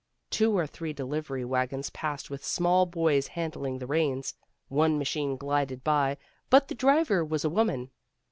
Two or three delivery wagons passed with small boys handling the reins. One machine glided by, but the driver was a woman.